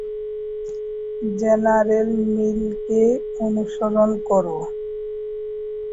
General মিংকে অনুসরণ করো!